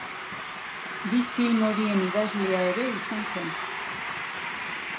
Bi film horien idazlea ere izan zen.